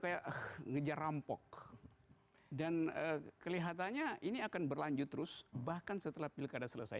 saya ngejar rampok dan kelihatannya ini akan berlanjut terus bahkan setelah pilkada selesai